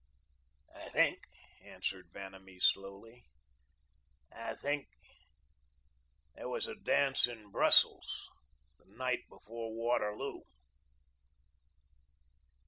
"I think," answered Vanamee slowly, "I think that there was a dance in Brussels the night before Waterloo."